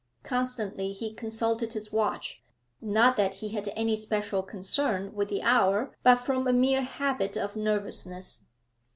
Constantly he consulted his watch not that he had any special concern with the hour, but from a mere habit of nervousness.